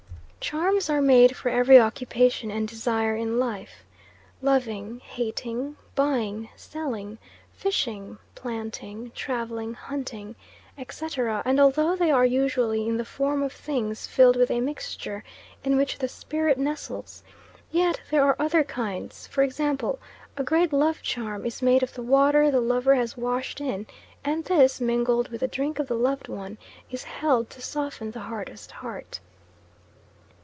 Charms are made for every occupation and desire in life loving, hating, buying, selling, fishing, planting, travelling, hunting, etc., and although they are usually in the form of things filled with a mixture in which the spirit nestles, yet there are other kinds; for example, a great love charm is made of the water the lover has washed in, and this, mingled with the drink of the loved one, is held to soften the hardest heart.